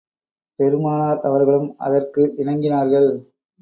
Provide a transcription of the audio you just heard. பெருமானார் அவர்களும் அதற்கு இணங்கினார்கள்.